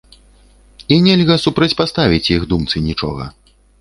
І нельга супрацьпаставіць іх думцы нічога!